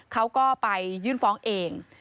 เขาก็ไปยื่นฟ้องเอง